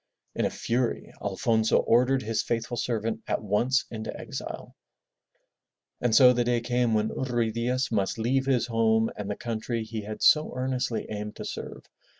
In a fury Alfonso ordered his faithful servant at once into exile. And so the day came when Ruy Diaz must leave his home and the country he had so earnestly aimed to serve.